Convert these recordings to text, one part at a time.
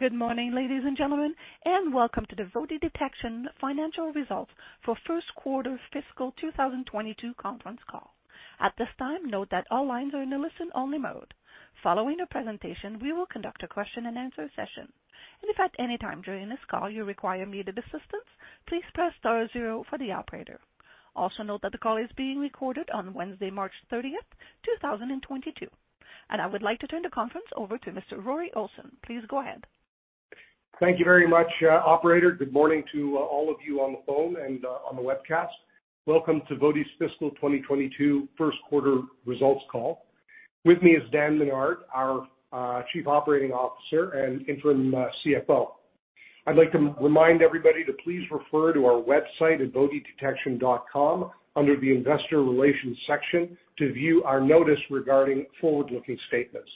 Good morning, ladies and gentlemen, and welcome to the VOTI Detection financial results for Q1 fiscal 2022 conference call. At this time, note that all lines are in a listen-only mode. Following the presentation, we will conduct a question-and-answer session. If at any time during this call you require immediate assistance Thank you very much, operator. Good morning to all of you on the phone and on the webcast. Welcome to VOTI's fiscal 2022 Q1 results call. With me is Dan Menard, our Chief Operating Officer and Interim CFO. I'd like to remind everybody to please refer to our website at votidetection.com under the investor relations section to view our notice regarding forward-looking statements.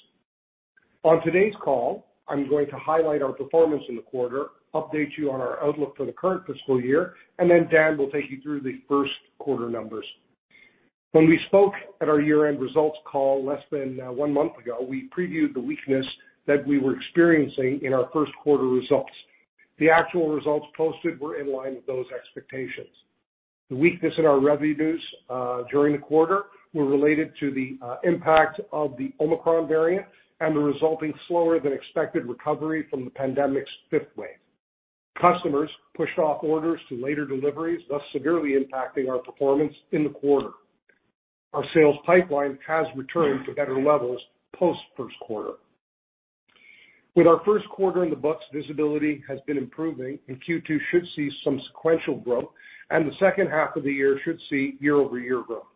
On today's call, I'm going to highlight our performance in the quarter, update you on our outlook for the current fiscal year, and then Dan will take you through the Q1 numbers. When we spoke at our year-end results call less than one month ago, we previewed the weakness that we were experiencing in our Q1 results. The actual results posted were in line with those expectations. The weakness in our revenues during the quarter were related to the impact of the Omicron variant and the resulting slower than expected recovery from the pandemic's fifth wave. Customers pushed off orders to later deliveries, thus severely impacting our performance in the quarter. Our sales pipeline has returned to better levels post Q1. With our Q1 in the books, visibility has been improving, and Q2 should see some sequential growth, and the second half of the year should see year-over-year growth.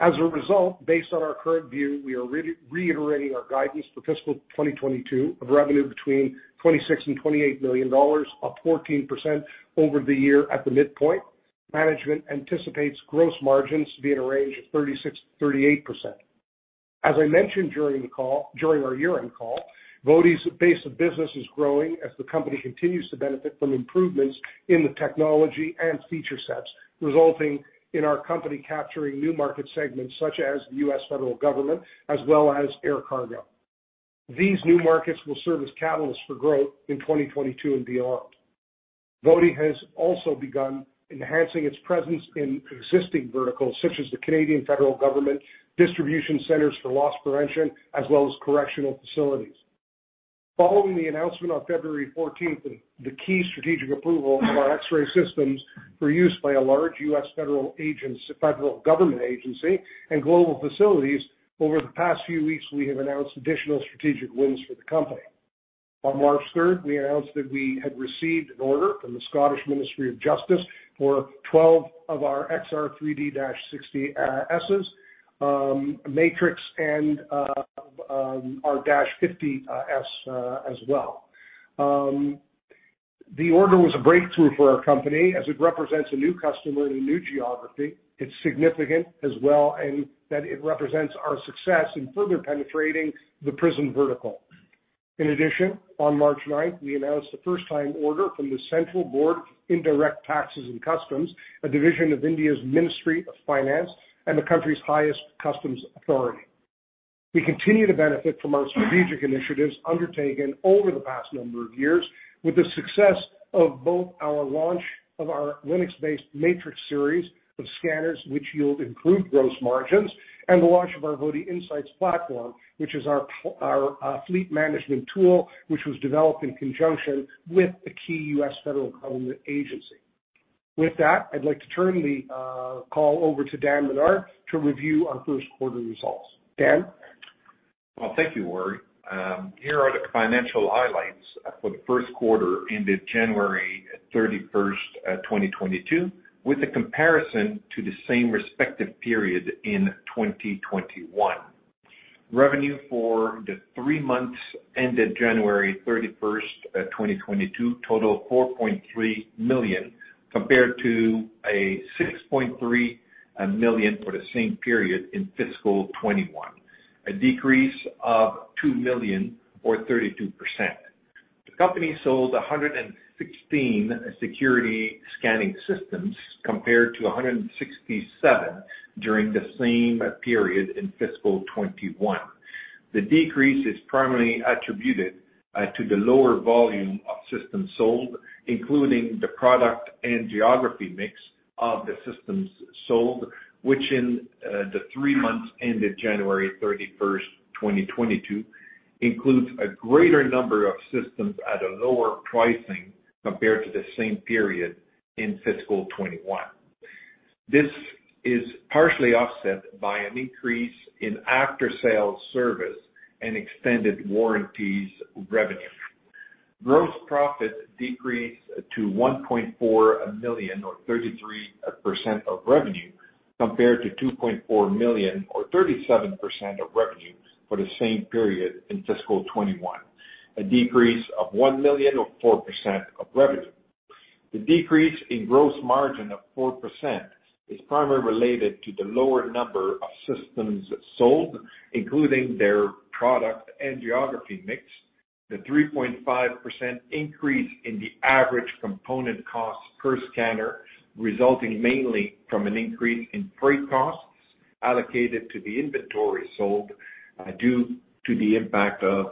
As a result, based on our current view, we are reiterating our guidance for fiscal 2022 of revenue between 26 million and 28 million dollars, up 14% over the year at the midpoint. Management anticipates gross margins to be in a range of 36%-38%. As I mentioned during our year-end call, VOTI's base of business is growing as the company continues to benefit from improvements in the technology and feature sets, resulting in our company capturing new market segments such as the U.S. federal government as well as air cargo. These new markets will serve as catalysts for growth in 2022 and beyond. VOTI has also begun enhancing its presence in existing verticals such as the Canadian federal government, distribution centers for loss prevention, as well as correctional facilities. Following the announcement on February 14th, and the key strategic approval of our X-ray systems for use by a large U.S. federal government agency and global facilities, over the past few weeks we have announced additional strategic wins for the company. On March 3rd, we announced that we had received an order from the Scottish Ministry of Justice for 12 of our XR3D-60s MATRIX and our -50 S as well. The order was a breakthrough for our company as it represents a new customer in a new geography. It's significant as well and that it represents our success in further penetrating the prison vertical. In addition, on March ninth, we announced the first time order from the Central Board of Indirect Taxes and Customs, a division of India's Ministry of Finance and the country's highest customs authority. We continue to benefit from our strategic initiatives undertaken over the past number of years with the success of both our launch of our Linux-based MATRIX series of scanners, which yield improved gross margins and the launch of our VotiINSIGHTS platform, which is our fleet management tool, which was developed in conjunction with the key U.S. Federal Government Agency. With that, I'd like to turn the call over to Dan Menard to review our Q1 results. Dan. Well, thank you, Rory. Here are the financial highlights for the Q1 ended January 31, 2022, with a comparison to the same respective period in 2021. Revenue for the three months ended January 31, 2022 total 4.3 million, compared to 6.3 million for the same period in fiscal 2021, a decrease of 2 million or 32%. The company sold 116 security scanning systems, compared to 167 during the same period in fiscal 2021. The decrease is primarily attributed to the lower volume of systems sold, including the product and geography mix of the systems sold, which in the three months ended January 31, 2022, includes a greater number of systems at a lower pricing compared to the same period in fiscal 2021. This is partially offset by an increase in after-sale service and extended warranties revenue. Gross profit decreased to 1.4 million or 33% of revenue, compared to 2.4 million or 37% of revenue for the same period in fiscal 2021. A decrease of 1 million or 4% of revenue. The decrease in gross margin of 4% is primarily related to the lower number of systems sold, including their product and geography mix. The 3.5% increase in the average component cost per scanner, resulting mainly from an increase in freight costs allocated to the inventory sold, due to the impact of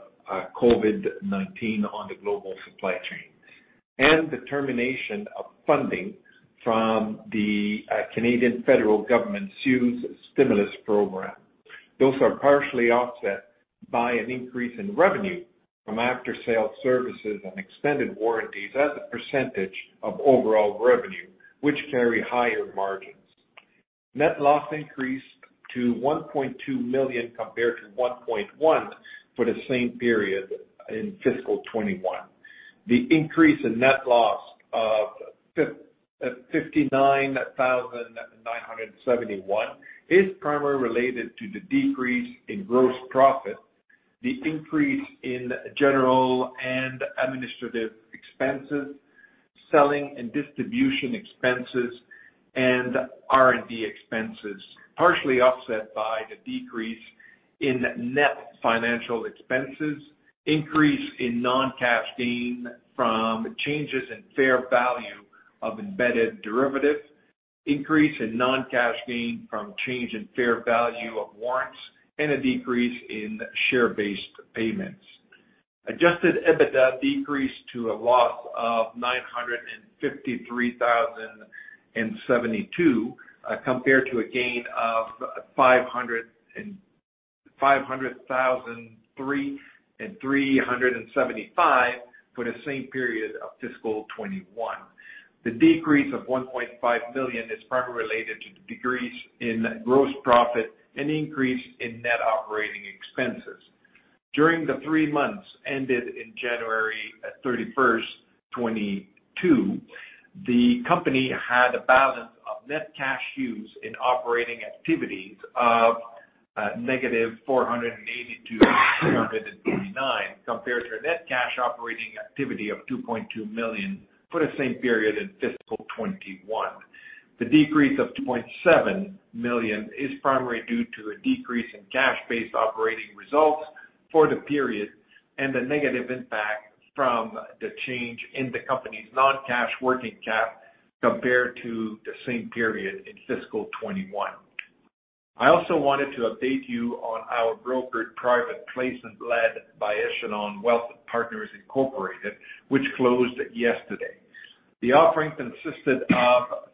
COVID-19 on the global supply chain, and the termination of funding from the Canadian federal government's CEWS stimulus program. Those are partially offset by an increase in revenue from after-sale services and extended warranties as a percentage of overall revenue, which carry higher margins. Net loss increased to 1.2 million compared to 1.1 million for the same period in fiscal 2021. The increase in net loss of 59,971 is primarily related to the decrease in gross profit, the increase in general and administrative expenses, selling and distribution expenses, and R&D expenses, partially offset by the decrease in net financial expenses, increase in non-cash gain from changes in fair value of embedded derivatives, increase in non-cash gain from change in fair value of warrants, and a decrease in share-based payments. Adjusted EBITDA decreased to a loss of 953,072 compared to a gain of 503,375 for the same period of fiscal 2021. The decrease of 1.5 million is primarily related to the decrease in gross profit and increase in net operating expenses. During the three months ended January 31, 2022, the company had a balance of net cash used in operating activities of CAD -482,229, compared to a net cash operating activity of 2.2 million for the same period in fiscal 2021. The decrease of 2.7 million is primarily due to a decrease in cash-based operating results for the period and the negative impact from the change in the company's non-cash working capital compared to the same period in fiscal 2021. I also wanted to update you on our brokered private placement led by Echelon Wealth Partners Inc., which closed yesterday. The offering consisted of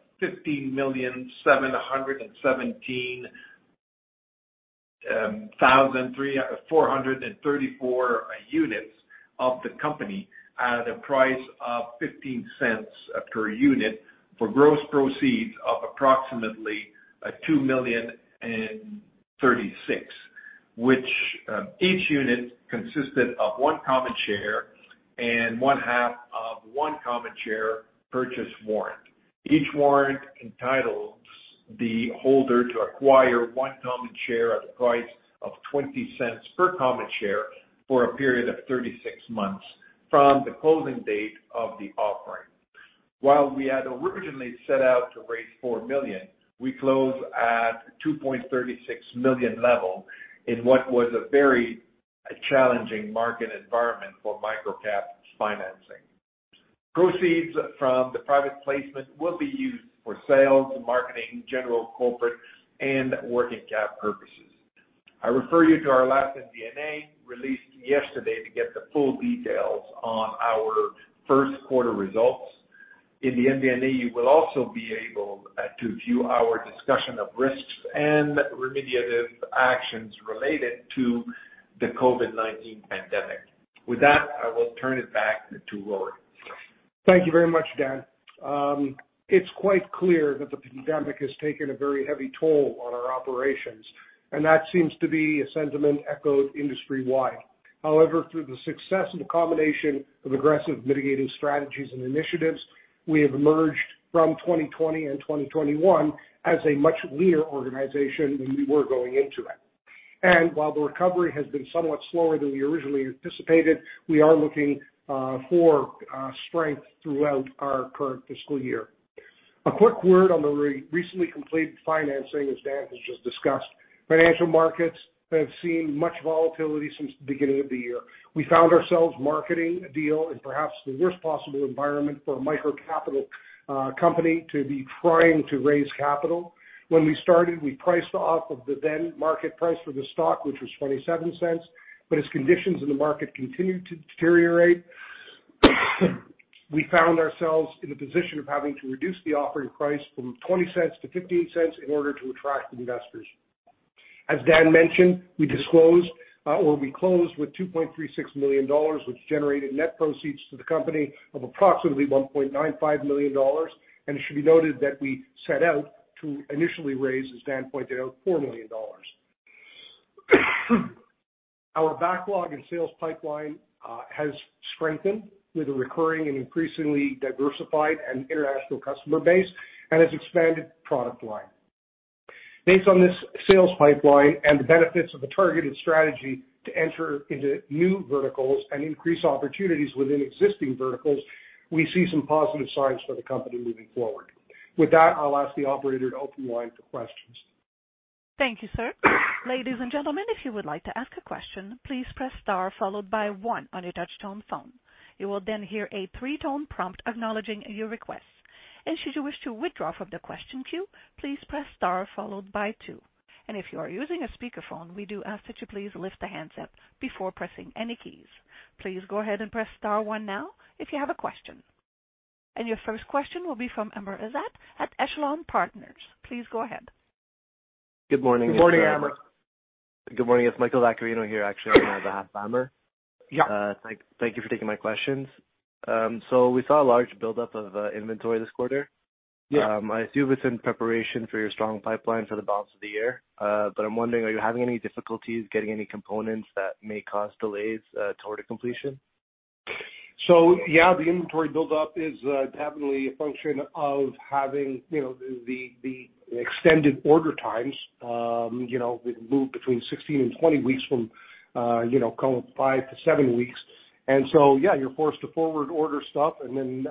15,717,434 units of the company at a price of 0.15 per unit for gross proceeds of approximately 2,000,036, which each unit consisted of one common share and one half of one common share purchase warrant. Each warrant entitles the holder to acquire one common share at a price of 0.20 per common share for a period of 36 months from the closing date of the offering. While we had originally set out to raise 4 million, we closed at 2.36 million level in what was a very challenging market environment for microcap financing. Proceeds from the private placement will be used for sales, marketing, general, corporate, and working cap purposes. I refer you to our last MD&A released yesterday to get the full details on our Q1 results. In the MD&A, you will also be able to view our discussion of risks and remediative actions related to the COVID-19 pandemic. With that, I will turn it back to Rory. Thank you very much, Dan. It's quite clear that the pandemic has taken a very heavy toll on our operations, and that seems to be a sentiment echoed industry-wide. However, through the success and combination of aggressive mitigating strategies and initiatives, we have emerged from 2020 and 2021 as a much leaner organization than we were going into it. While the recovery has been somewhat slower than we originally anticipated, we are looking for strength throughout our current fiscal year. A quick word on the recently completed financing, as Dan has just discussed. Financial markets have seen much volatility since the beginning of the year. We found ourselves marketing a deal in perhaps the worst possible environment for a micro-cap company to be trying to raise capital. When we started, we priced off of the then market price for the stock, which was 0.27. As conditions in the market continued to deteriorate, we found ourselves in a position of having to reduce the offering price from 0.20 to 0.15 in order to attract investors. As Dan mentioned, we closed with 2.36 million dollars, which generated net proceeds to the company of approximately 1.95 million dollars. It should be noted that we set out to initially raise, as Dan pointed out, 4 million dollars. Our backlog and sales pipeline has strengthened with a recurring and increasingly diversified and international customer base and its expanded product line. Based on this sales pipeline and the benefits of a targeted strategy to enter into new verticals and increase opportunities within existing verticals, we see some positive signs for the company moving forward. With that, I'll ask the operator to open the line for questions. Thank you, sir. Ladies and gentlemen, if you would like to ask a question, please press star followed by one on your touchtone phone. You will then hear a three-tone prompt acknowledging your request. Should you wish to withdraw from the question queue, please press star followed by two. If you are using a speakerphone, we do ask that you please lift the handset before pressing any keys. Please go ahead and press star one now if you have a question. Your first question will be from Amir Azzat at Echelon Wealth Partners. Please go ahead. Good morning. Good morning, Amir. Good morning. It's Michael Vaccarino here actually on behalf of Amir. Yeah. Thank you for taking my questions. We saw a large buildup of inventory this quarter. Yeah. I assume it's in preparation for your strong pipeline for the balance of the year. I'm wondering, are you having any difficulties getting any components that may cause delays toward a completion? Yeah, the inventory buildup is definitely a function of having you know the extended order times. You know, we've moved between 16-20 weeks from you know call it 5-7 weeks. Yeah, you're forced to forward order stuff and then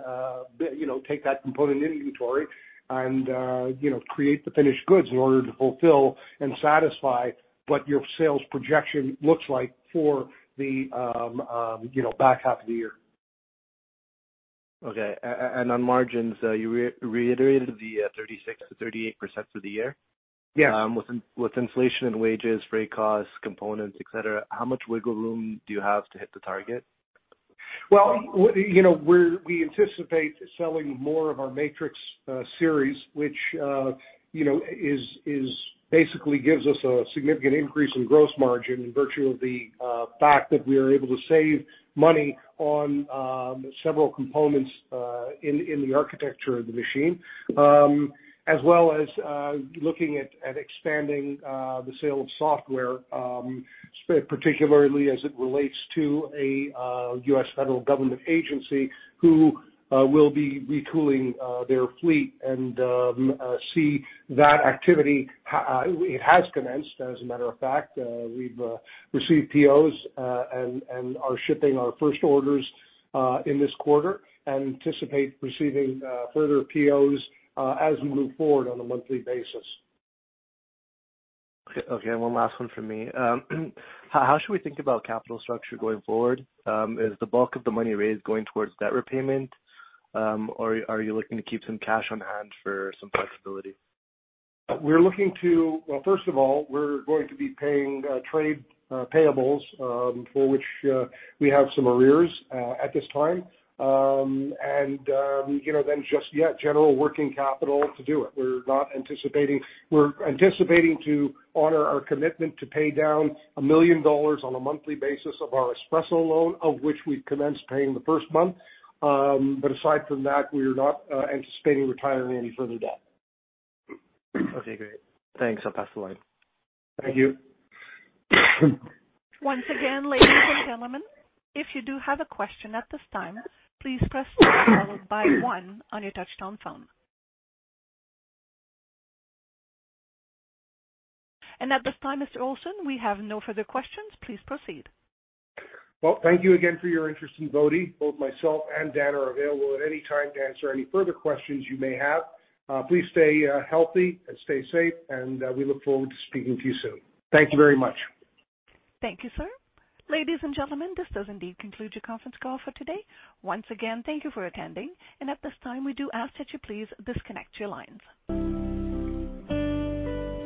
you know take that component inventory and you know create the finished goods in order to fulfill and satisfy what your sales projection looks like for the you know back half of the year. Okay. On margins, you reiterated the 36%-38% for the year. Yes. With inflation in wages, freight costs, components, et cetera, how much wiggle room do you have to hit the target? Well, you know, we anticipate selling more of our MATRIX series, which basically gives us a significant increase in gross margin by virtue of the fact that we are able to save money on several components in the architecture of the machine. As well as looking at expanding the sale of software, particularly as it relates to a U.S. federal government agency who will be retooling their fleet and we see that activity. It has commenced, as a matter of fact. We've received POs and are shipping our first orders in this quarter and anticipate receiving further POs as we move forward on a monthly basis. Okay, one last one from me. How should we think about capital structure going forward? Is the bulk of the money raised going toward debt repayment? Are you looking to keep some cash on hand for some flexibility? Well, first of all, we're going to be paying trade payables, for which we have some arrears at this time. You know, then just yeah, general working capital to do it. We're anticipating to honor our commitment to pay down 1 million dollars on a monthly basis of our Espresso Capital loan, of which we've commenced paying the first month. Aside from that, we're not anticipating retiring any further debt. Okay, great. Thanks. I'll pass the line. Thank you. Once again, ladies and gentlemen, if you do have a question at this time, please press star followed by one on your touchtone phone. At this time, Mr. Olson, we have no further questions. Please proceed. Well, thank you again for your interest in VOTI. Both myself and Dan are available at any time to answer any further questions you may have. Please stay healthy and stay safe, and we look forward to speaking to you soon. Thank you very much. Thank you, sir. Ladies and gentlemen, this does indeed conclude your conference call for today. Once again, thank you for attending. At this time, we do ask that you please disconnect your lines.